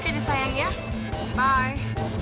oke deh sayang ya bye